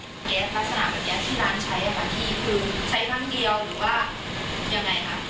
แก๊สลักษณะแบบนี้ที่ร้านใช้ค่ะพี่คือใช้ครั้งเดียวหรือว่ายังไงคะ